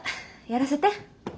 やらせて。